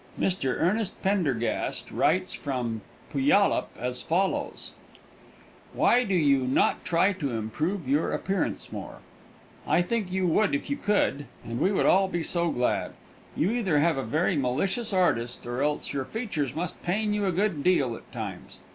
Mr. Earnest Pendergast writes from Puyallup as follows: "Why do you not try to improve your appearance more? I think you could if you would, and we would all be so glad. You either have a very malicious artist, or else your features must pain you a good deal at times.